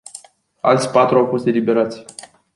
Alți patru au fost eliberați.